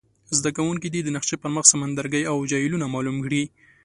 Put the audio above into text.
زده کوونکي دې د نقشي پر مخ سمندرګي او جهیلونه معلوم کړي.